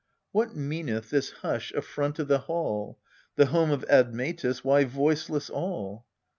What meaneth this hush afront of the hall? The home of Admetus, why voiceless all?